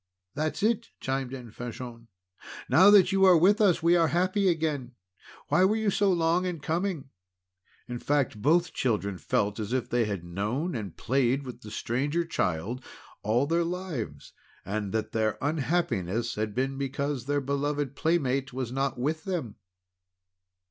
"That's it!" chimed in Fanchon. "Now that you are with us, we are happy again! Why were you so long in coming?" In fact both children felt as if they had known and played with the Stranger Child all their lives, and that their unhappiness had been because their beloved playmate was not with them.